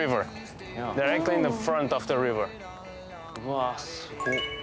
わあすごっ。